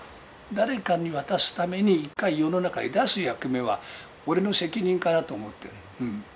誰かに渡すために一回世の中へ出す役目は、俺の責任かなと思ってる、うん。